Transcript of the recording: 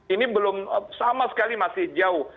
ini belum sama sekali masih jauh